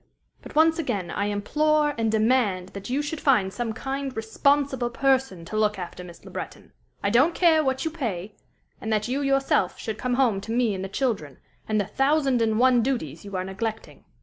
But once again I implore and demand that you should find some kind, responsible person to look after Miss Le Breton I don't care what you pay and that you yourself should come home to me and the children and the thousand and one duties you are neglecting.